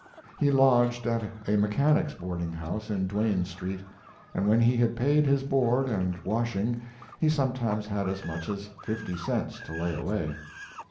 He lodged at a mechanics' boarding house in Duane Street, and when he had paid his board and washing he sometimes had as much as fifty cents to lay away.